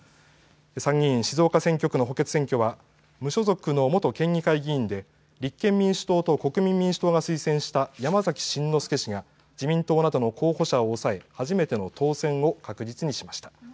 参議院静岡選挙区の補欠選挙は無所属の元県議会議員で、立憲民主党と国民民主党が推薦した山崎真之輔氏が自民党などの候補者を抑え、初めての当選を確実にしました。